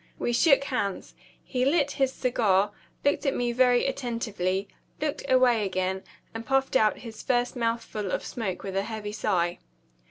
We shook hands. He lit his cigar, looked at me very attentively, looked away again, and puffed out his first mouthful of smoke with a heavy sigh.